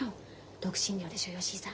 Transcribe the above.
独身寮でしょ吉井さん。